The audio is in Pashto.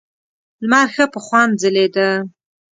لمر ښه په خوند ځلېده.